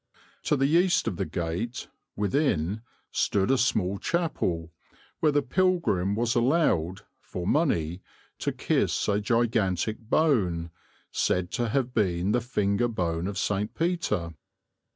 To the east of the gate, within, stood a small chapel, where the pilgrim was allowed, for money, to kiss a gigantic bone, said to have been the finger bone of St. Peter.